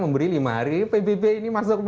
memberi lima hari pbb ini masuk